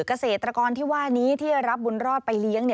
เกษตรกรที่ว่านี้ที่รับบุญรอดไปเลี้ยง